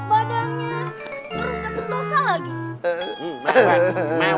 terus dateng dosa lagi